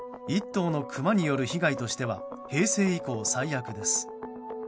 １頭のクマによる被害としては平成以降最悪です。